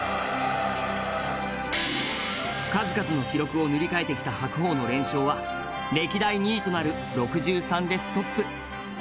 数々の記録を塗り替えてきた白鵬の連勝は歴代２位となる６３でストップ。